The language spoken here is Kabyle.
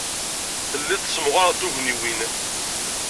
Telliḍ tessemɣareḍ tugniwin.